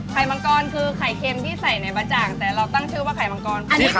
มังกรคือไข่เค็มที่ใส่ในบะจ่างแต่เราตั้งชื่อว่าไข่มังกร